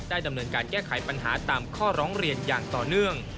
ดำเนินการแก้ไขปัญหาตามข้อร้องเรียนอย่างต่อเนื่อง